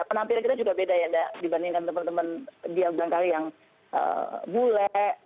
penampilan kita juga beda ya dinda dibandingkan teman teman dia beberapa kali yang bule